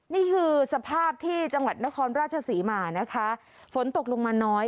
นี่คือสภาพที่จังหวัดนครราชศรีมานะคะฝนตกลงมาน้อย